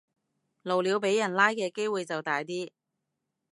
露鳥俾人拉嘅機會就大啲